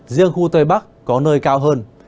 riêng khu tây bắc có nơi cao hơn